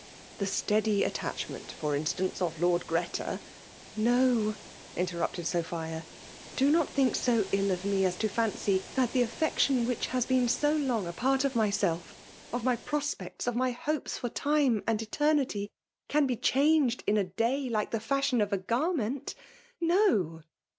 The steady at* tachment, for instance, of Lord Greta *' «No! —" interrupted Sophia. "Do not thUk so ill of me as. to fancy that the affection which has been so long a part of myself, of my pro* spccts, of my hopes for time and eternity, can be changed in a day, like the fashion of ^ garment !— No